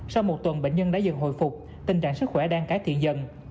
sau một tuần bệnh nhân đã dần hồi phục tình trạng sức khỏe đang cải thiện dần